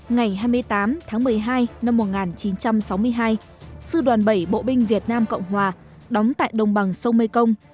ngày hai mươi tám tháng một mươi hai năm một nghìn chín trăm sáu mươi hai sư đoàn bảy bộ binh việt nam cộng hòa đóng tại đồng bằng sông mekong